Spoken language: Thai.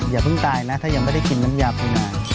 อย่าเพิ่งตายนะถ้ายังไม่ได้กินน้ำยาไปนาน